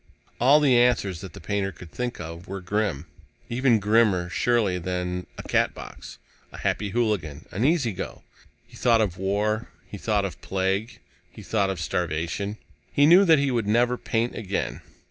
All the answers that the painter could think of were grim. Even grimmer, surely, than a Catbox, a Happy Hooligan, an Easy Go. He thought of war. He thought of plague. He thought of starvation. He knew that he would never paint again.